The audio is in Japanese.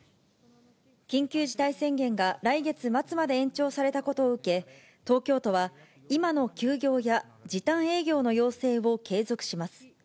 緊急事態宣言が来月末まで延長されたことを受け、東京都は今の休業や時短営業の要請を継続します。